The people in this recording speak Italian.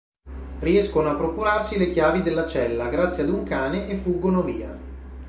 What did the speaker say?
Riescono a procurarsi le chiavi della cella grazie ad un cane e fuggono via.